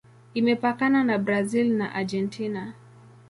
Imepakana na Brazil na Argentina.